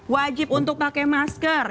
wajib untuk pakai masker